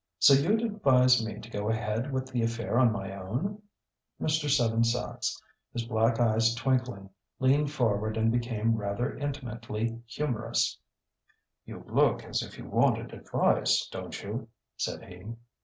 "So you'd advise me to go ahead with the affair on my own?" Mr. Seven Sachs, his black eyes twinkling, leaned forward and became rather intimately humorous: "You look as if you wanted advice, don't you?" said he.